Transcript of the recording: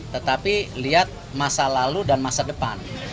tetapi lihat masa lalu dan masa depan